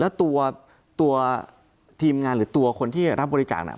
แล้วตัวทีมงานหรือตัวคนที่รับบริจาคน่ะ